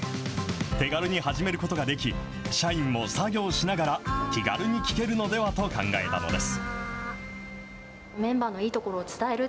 手軽に始めることができ、社員も作業しながら気軽に聴けるのではと考えたのです。